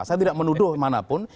saya tidak menuduh manapun